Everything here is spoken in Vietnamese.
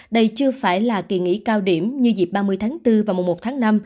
đây chưa phải là kỳ nghỉ cao điểm như dịp ba mươi tháng bốn và mùa một tháng năm